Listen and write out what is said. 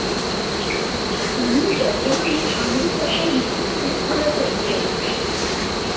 তিনি বর্তমানে আমেরিকা ও মেক্সিকোতে জোড়া চ্যাম্পিয়ন।